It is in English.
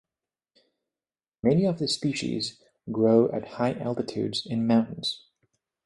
Many of the species grow at high altitudes in mountains.